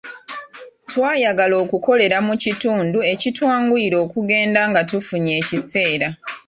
Twayagala okukolera mu kitundu ekitwanguyira okugenda nga tufunye ekiseera.